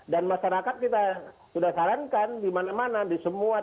dan masyarakat kita sudah sarankan di mana mana di semua tim